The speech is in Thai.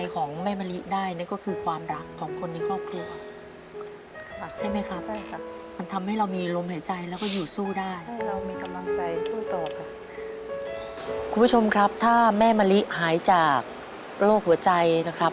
คุณผู้ชมครับถ้าแม่มะลิหายจากโรคหัวใจนะครับ